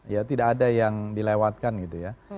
ya tidak ada yang dilewatkan gitu ya